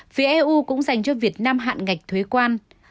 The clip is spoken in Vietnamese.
phía eu cũng dành cho việt nam hạn ngạch thuế quan